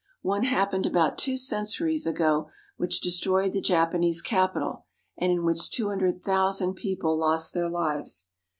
One happened about two centuries ago which destroyed the Japanese capital, and in which two hundred thousand people lost their lives.